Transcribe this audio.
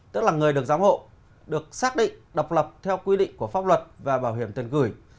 tức là người được giám hộ được xác định độc lập theo quy định của pháp luật và bảo hiểm tiền gửi